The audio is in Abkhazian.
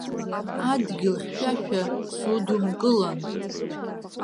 Адгьыл хьшәашәа, судумкылан.